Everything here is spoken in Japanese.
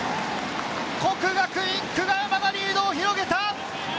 國學院久我山がリードを広げた！